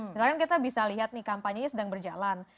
misalkan kita bisa lihat nih kampanyenya sedang berjalan